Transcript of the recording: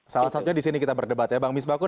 salah satunya di sini kita berdebat ya bang misbakun